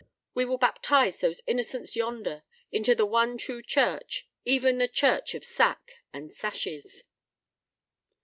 We will baptize those innocents yonder into the one true church, even the church of Sack—and Sashes.